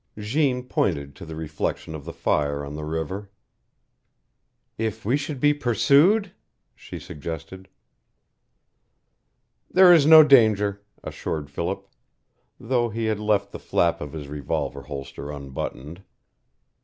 Jeanne pointed to the reflection of the fire on the river. "If we should be pursued?" she suggested. "There is no danger," assured Philip, though he had left the flap of his revolver holster unbuttoned.